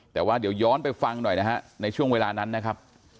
แต่ว่าเดี๋ยวย้อนไปฟังหน่อยนะฮะในช่วงเวลานั้นนะครับ